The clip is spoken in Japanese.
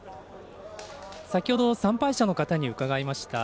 先ほど参拝者の方に伺いました。